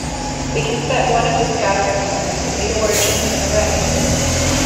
We can set one of the scattering centres as the origin of an array.